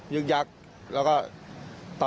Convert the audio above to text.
เยี่ยมมากครับ